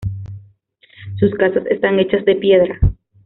Sus casas están hechas de piedra.